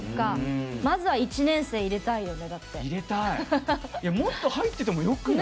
まずは１年生を入れたいよね。